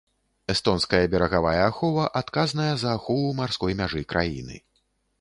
Эстонская берагавая ахова адказная за ахову марской мяжы краіны.